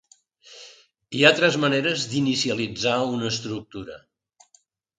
Hi ha tres maneres d'inicialitzar una estructura.